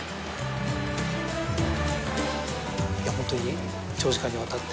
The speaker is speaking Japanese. いやホントに長時間にわたって。